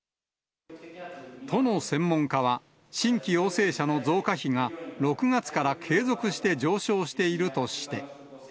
都の専門家は、新規陽性者の増加比が６月から継続して上昇しているとして。